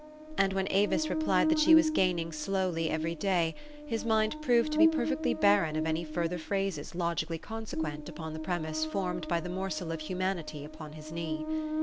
and when Avis replied that she was gaining slowly every day, his mind proved to be perfectly barren of any further phrases logically consequent upon the prem ise formed by the morsel of humanity upon his knee.